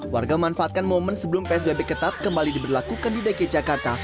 warga memanfaatkan momen sebelum psbb ketat kembali diberlakukan di dki jakarta